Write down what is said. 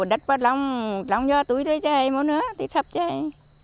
đất bắt lòng lòng do túi chơi chơi một nữa thì sắp chơi